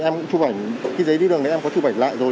em cũng chụp ảnh cái giấy đi đường đấy em có chụp ảnh lại rồi